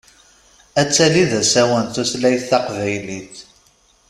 Ad tali d asawen tutlayt taqbaylit.